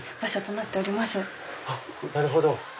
なるほど！